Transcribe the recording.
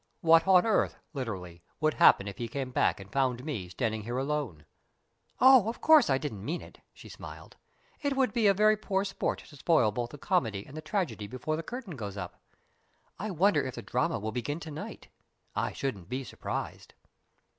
What on earth, literally, would happen if he came back and found me standing here alone?" "Oh, of course I didn't mean it," she smiled. "It would be very poor sport to spoil both the comedy and the tragedy before the curtain goes up. I wonder if the drama will begin to night? I shouldn't be surprised."